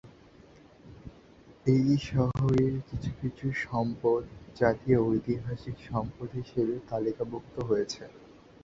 এই শহরের কিছু কিছু সম্পদ জাতীয় ঐতিহাসিক সম্পদ হিসেবে তালিকাভুক্ত হয়েছে।